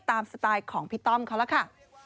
สไตล์ของพี่ต้อมเขาล่ะค่ะ